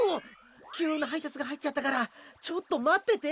きゅうなはいたつがはいっちゃったからちょっとまってて。